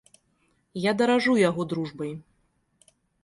Я даражу яго дружбай.